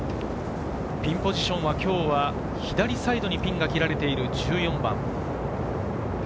ピンポジションは今日は左サイドにピンが切られている１４番。